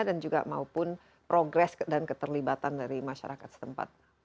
dan juga maupun progres dan keterlibatan dari masyarakat setempat